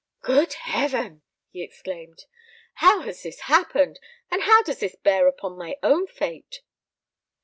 "Good heaven!" he exclaimed, "how has this happened, and how does this bear upon my own fate?"